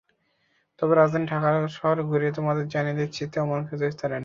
তবে, রাজধানী ঢাকা শহর ঘুরে তোমাদের জানিয়ে দিচ্ছি তেমন কিছু স্থানের নাম।